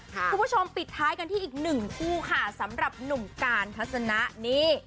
คุณผู้ชมปิดท้ายกันที่อีกหนึ่งคู่ค่ะสำหรับหนุ่มการทัศนะนี่